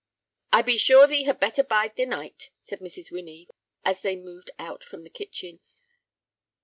"I be sure thee had better bide the night," said Mrs. Winnie, as they moved out from the kitchen.